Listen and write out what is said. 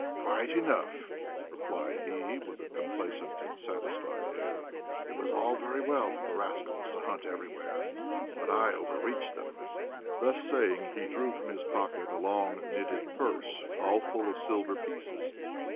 "Quite enough," replied he, with a complacent and satisfied air. "It was all very well for the rascals to hunt everywhere, but I over reached them." Thus saying he drew from his pocket a long knitted purse, all full of silver pieces.